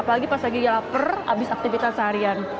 apalagi pas lagi lapar habis aktivitas seharian